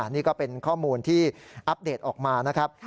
นี่ก็เป็นข้อมูลที่อัปเดตออกมานะครับ